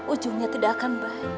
ujungnya tidak akan baik